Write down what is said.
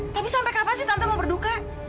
tapi sampai kapan sih tante mau berduka